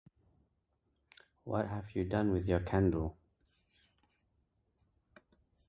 What have you done with your candle?